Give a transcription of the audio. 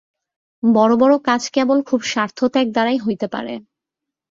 বড় বড় কাজ কেবল খুব স্বার্থত্যাগ দ্বারাই হইতে পারে।